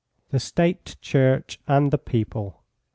THE STATE CHURCH AND THE PEOPLE.